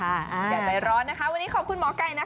อย่าใจร้อนนะคะวันนี้ขอบคุณหมอไก่นะคะ